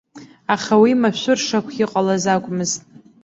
Аха уи машәыршақә иҟалаз акәмызт.